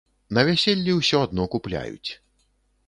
На вяселлі ўсё адно купляюць.